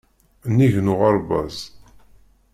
Nnig n uɣerbaz.